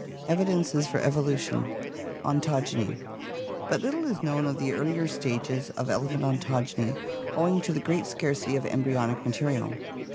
EVIDENCES FOR EVOLUTION Ontogeny But little is known of the earlier stages of elephant ontogeny owing to the great scarcity of embryonic material.